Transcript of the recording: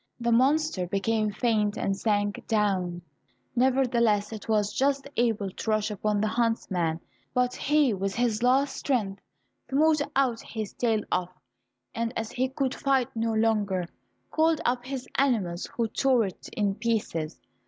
The monster became faint and sank down, nevertheless it was just able to rush upon the huntsman, but he with his last strength smote its tail off, and as he could fight no longer, called up his animals who tore it in pieces.